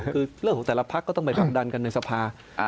คือเรื่องของแต่ละพักก็ต้องไปผลักดันกันในสภา